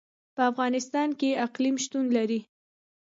په افغانستان کې اقلیم شتون لري.